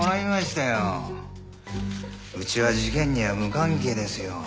うちは事件には無関係ですよ。